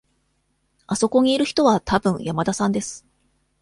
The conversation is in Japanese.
あそこにいる人はたぶん山田さんです。